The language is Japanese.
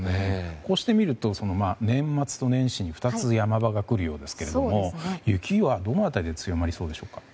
こうして見ると年末と年始２つに山場が来るようですが雪はどの辺りで強まりそうでしょうか。